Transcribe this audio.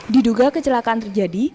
diduga kecelakaan terjadi